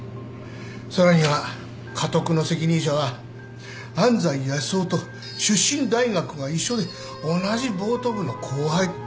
さらにはカトクの責任者は安斎康雄と出身大学が一緒で同じボート部の後輩。